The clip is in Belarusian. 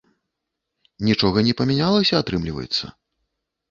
Нічога не памянялася, атрымліваецца?